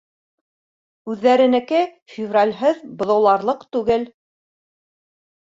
Үҙҙәренеке февралһеҙ быҙауларлыҡ түгел.